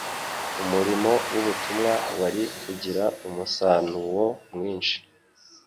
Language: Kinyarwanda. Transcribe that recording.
umurimo w'ubutumwa wari kugira umusanuo mwinshi.